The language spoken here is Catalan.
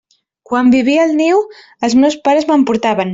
Quan vivia al niu, els meus pares me'n portaven.